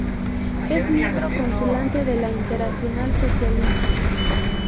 Es miembro consultante de la Internacional Socialista.